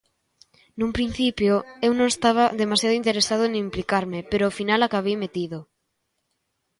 Nun principio, eu non estaba demasiado interesado en implicarme, pero ao final acabei metido.